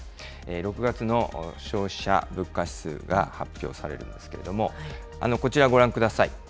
６月の消費者物価指数が発表されるんですけれども、こちらご覧ください。